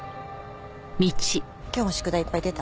今日も宿題いっぱい出た？